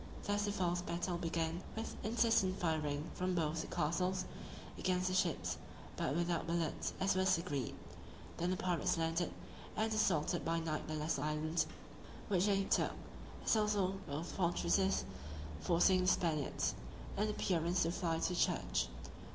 Thus the false battle began, with incessant firing from both the castles, against the ships, but without bullets, as was agreed. Then the pirates landed, and assaulted by night the lesser island, which they took, as also both fortresses; forcing the Spaniards, in appearance, to fly to the church.